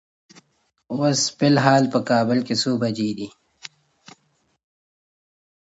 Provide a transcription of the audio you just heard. آیا په کابل کې د کرونا د تشخیص لپاره مرکزونه فعال دي؟